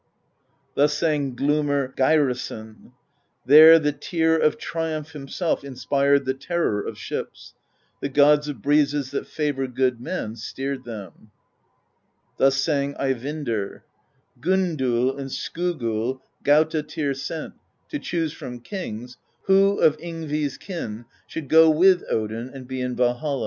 Thus sang Glumr Geirason: There the Tyr of Triumph Himself inspired the terror Of ships; the gods of breezes That favor good men steered them. Thus sang Eyvindr: THE POESY OF SKALDS 99 Gondull and Skogull Gauta Tyr sent To choose from kings Who of Yngvi's kin Should go with Odin And be in Valhall.